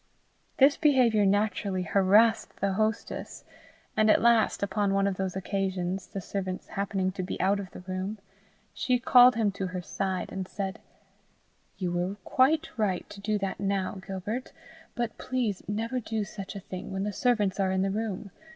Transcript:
This behaviour naturally harassed the hostess, and at last, upon one of those occasions, the servants happening to be out of the room, she called him to her side, and said, "You were quite right to do that now, Gilbert, but please never do such a thing when the servants are in the room.